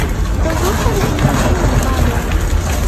تودوخه د انرژۍ منبع ده.